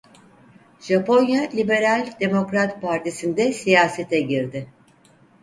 Japonya Liberal Demokrat Partisi'nde siyasete girdi.